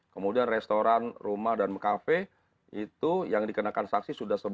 kemudian restoran rumah dan kafe itu yang dikenakan saksi sudah sebelas delapan ratus sembilan puluh tiga